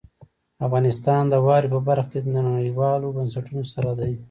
افغانستان د واورې په برخه کې نړیوالو بنسټونو سره دی.